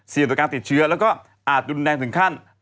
ต่อการติดเชื้อแล้วก็อาจรุนแรงถึงขั้น